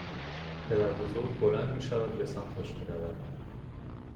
پدربزرگ بلند میشود. به سمتش میرود